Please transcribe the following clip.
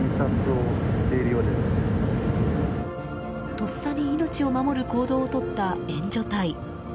とっさに命を守る行動をとった援助隊。